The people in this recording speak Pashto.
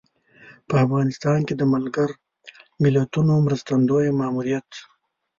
په افغانستان کې د ملګر ملتونو مرستندویه ماموریت